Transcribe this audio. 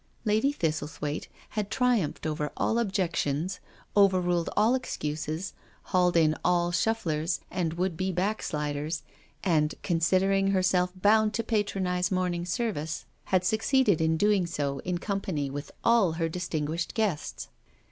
Lady Thistlethwaite had triumphed over all objections, overruled all excuses, hauled in all shufflers and would be backsliders, and, considering herself bound to patronise morning service, i84 ffO SURRENDER had succeeded in doing so in company with all her distinguished guests.